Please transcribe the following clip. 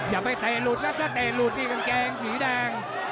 อย่าไปเตะหลุดนะถ้าเตะหลุดนี่กางเกงสีแดง